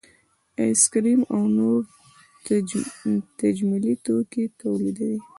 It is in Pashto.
ایس کریم او نور تجملي توکي تولیدوي